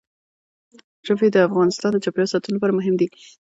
ژبې د افغانستان د چاپیریال ساتنې لپاره مهم دي.